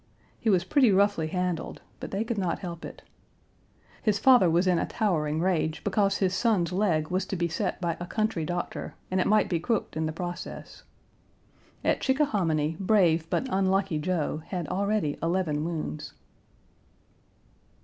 He was pretty roughly handled, but they could not help it. His father was in a towering rage because his son's leg was to be set by a country doctor, and it might be crooked in the process. At Chickahominy, brave but unlucky Joe had already eleven wounds.